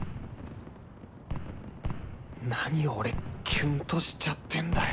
何俺キュンとしちゃってんだよ